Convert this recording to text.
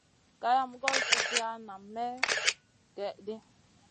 Gayam goy kuziya nam may gèh ɗi.